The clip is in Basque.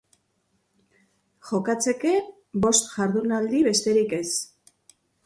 Jokatzeke, bost jardunaldi besterik ez.